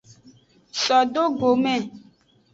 So do gome.